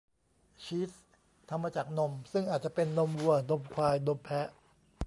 ชีส ทำมาจากนม ซึ่งอาจจะเป็นนมวัว นมควาย นมแพะ